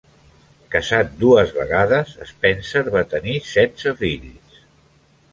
Casat dues vegades, Spencer va tenir setze fills.